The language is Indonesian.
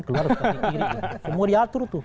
keluar harus kaki kiri semua diatur tuh